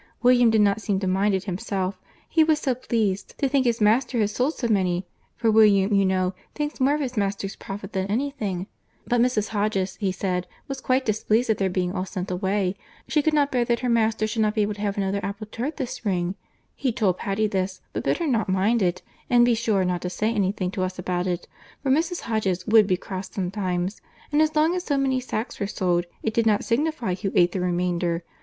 William did not seem to mind it himself, he was so pleased to think his master had sold so many; for William, you know, thinks more of his master's profit than any thing; but Mrs. Hodges, he said, was quite displeased at their being all sent away. She could not bear that her master should not be able to have another apple tart this spring. He told Patty this, but bid her not mind it, and be sure not to say any thing to us about it, for Mrs. Hodges would be cross sometimes, and as long as so many sacks were sold, it did not signify who ate the remainder.